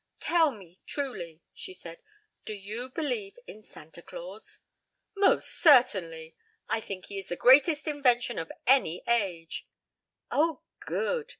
"Tell me truly," she said, "do you believe in Santa Claus?" "Most certainly. I think he is the greatest invention of any age." "Oh, good!